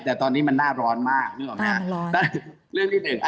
แต่ตอนนี้มันหน้าร้อนมากนึกออกไหมคะ